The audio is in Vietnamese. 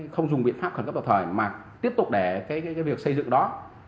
không dùng biện pháp khẩn cấp vào thời mà tiếp tục để việc xây dựng đó